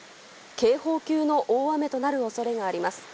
警報級の大雨となる恐れがあります。